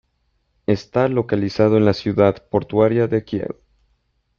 Está localizado en la ciudad portuaria de Kiel.